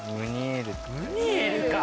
ムニエルか。